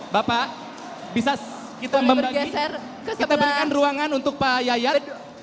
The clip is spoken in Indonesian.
bapak bisa kita berikan ruangan untuk pak yayat